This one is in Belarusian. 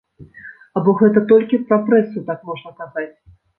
Або гэта толькі пра прэсу так можна казаць?